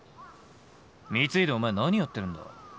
光秀お前何やってるんだ？